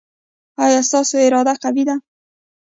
ایا ستاسو اراده قوي ده؟